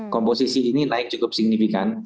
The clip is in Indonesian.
komposisi ini naik cukup signifikan